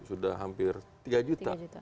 sudah hampir tiga juta